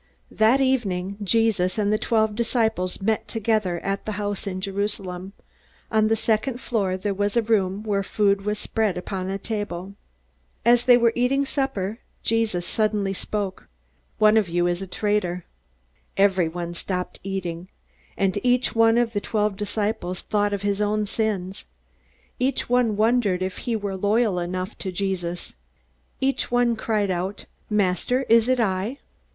That evening Jesus and the twelve disciples met together at the house in Jerusalem. On the second floor there was a room, where food was spread upon the table. As they were eating supper, Jesus suddenly spoke. "One of you is a traitor!" Everyone stopped eating. And each one of the twelve disciples thought of his own sins. Each one wondered if he were loyal enough to Jesus. Each one cried out: "Master, is it I?"